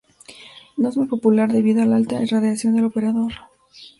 No es muy popular debido a la alta irradiación del operador.